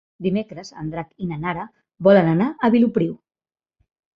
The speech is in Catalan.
Dimecres en Drac i na Nara volen anar a Vilopriu.